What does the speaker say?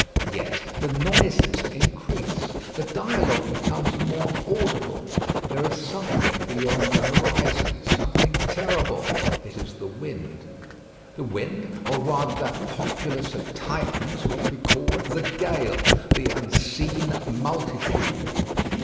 Yet the noises increase. The dialogue becomes more audible. There is something beyond the horizon. Something terrible. It is the wind. The wind; or rather that populace of Titans which we call the gale. The unseen multitude.